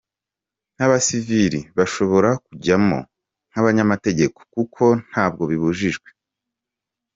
N’abasivili bashobora kujyamo nk’abanyamategeko kuko ntabwo babujijwe.